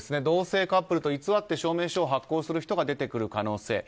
同性カップルと偽って証明書を発行する人が出てくる可能性。